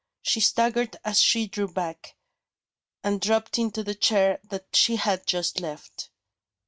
She staggered as she drew back, and dropped into the chair that she had just left.